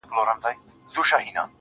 چي مي دا خپلي شونډي,